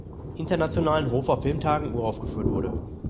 Internationalen Hofer Filmtagen uraufgeführt wurde.